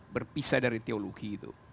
berpisah dari teologi